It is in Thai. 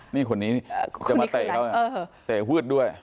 นี่คนนี้จะมาเตะเขานะเตะฮืดด้วย